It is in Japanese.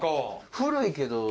古いけど。